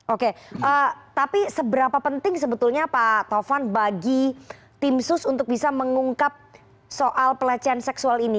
oke tapi seberapa penting sebetulnya pak taufan bagi tim sus untuk bisa mengungkap soal pelecehan seksual ini